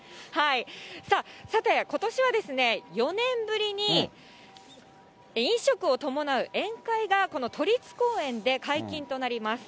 さあ、さて、ことしは４年ぶりに飲食を伴う宴会がこの都立公園で解禁となります。